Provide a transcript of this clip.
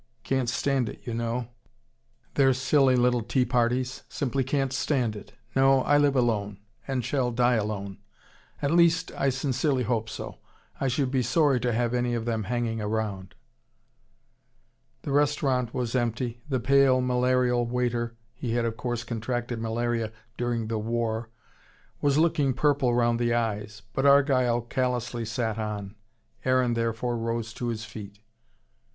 Can't stand it, you know: their silly little teaparties simply can't stand it. No, I live alone and shall die alone. At least, I sincerely hope so. I should be sorry to have any of them hanging round." The restaurant was empty, the pale, malarial waiter he had of course contracted malaria during the war was looking purple round the eyes. But Argyle callously sat on. Aaron therefore rose to his feet.